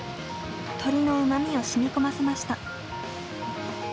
鶏のうまみをしみこませました。